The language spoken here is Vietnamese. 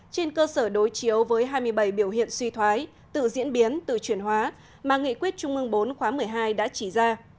trên cơ sở đối chiếu với hai mươi bảy biểu hiện suy thoái tự diễn biến tự chuyển hóa mà nghị quyết trung ương bốn khóa một mươi hai đã chỉ ra